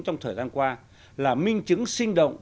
trong thời gian qua là minh chứng sinh động